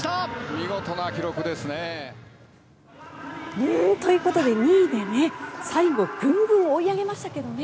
見事な記録ですね。ということで２位で最後、グングン追い上げましたけどね。